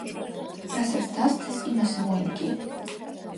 რასაც დასთეს იმას მოიმკი